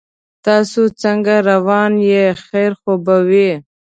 تاسو څنګه روان یې خیر خو به وي